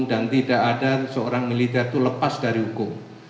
dan tidak ada seorang militer itu lepas dari hukum